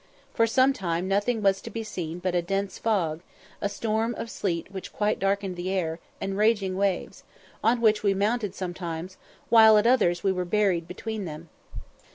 For some time nothing was to be seen but a dense fog, a storm of sleet which quite darkened the air, and raging waves, on which we mounted sometimes, while at others we were buried between them.